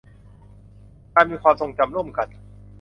การมีความทรงจำร่วมกัน